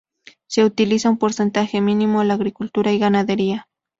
Se utiliza en porcentaje mínimo a la agricultura y ganadería.